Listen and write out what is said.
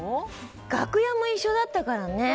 楽屋も一緒だったからね。